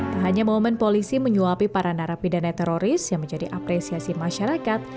tak hanya momen polisi menyuapi para narapidana teroris yang menjadi apresiasi masyarakat